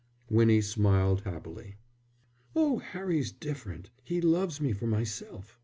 Winnie smiled happily. "Oh, Harry's different; he loves me for myself.